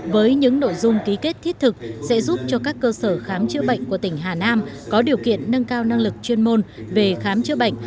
với những nội dung ký kết thiết thực sẽ giúp cho các cơ sở khám chữa bệnh của tỉnh hà nam có điều kiện nâng cao năng lực chuyên môn về khám chữa bệnh